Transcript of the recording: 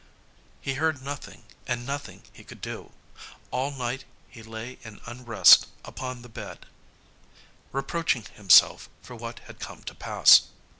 He heard nothing, and nothing he could do. All night he lay in unrest upon the bed, reproaching himself for what had come to pass.